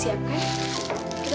saya kenapa ternyata nganggel aja lho